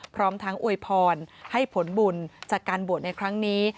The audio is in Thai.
พร้อมทั้งอวยพรให้ผลบุญจากการบวชในครั้งนี้